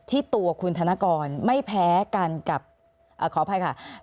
ที่ตัวคุณธนกรไม่แพ้กันกับขออภัยค่ะ